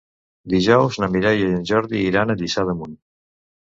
Dijous na Mireia i en Jordi iran a Lliçà d'Amunt.